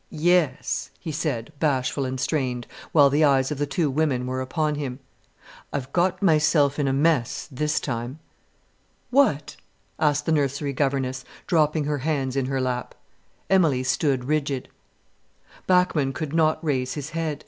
"Yes," he said, bashful and strained, while the eyes of the two women were upon him. "I've got myself in a mess this time." "What?" asked the nursery governess, dropping her hands in her lap. Emilie stood rigid. Bachmann could not raise his head.